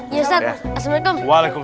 ya ustadz assalamualaikum